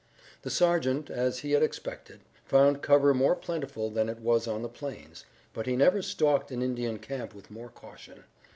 The sergeant, as he had expected, found cover more plentiful than it was on the plains, but he never stalked an Indian camp with more caution.